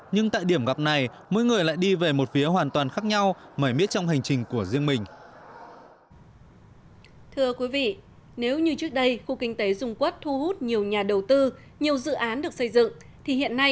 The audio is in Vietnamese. nhưng tại điểm gặp này mỗi người lại đi về một phía hoàn toàn khác nhau bởi biết trong hành trình của riêng mình